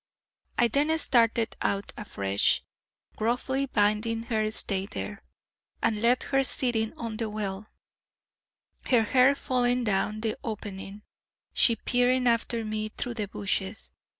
I then started out afresh, gruffly bidding her stay there, and left her sitting on the well, her hair falling down the opening, she peering after me through the bushes.